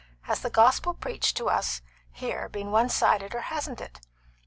Has the gospel preached to us here been one sided or hasn't it?